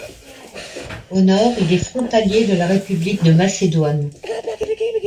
Au nord, il est frontalier de la République de Macédoine.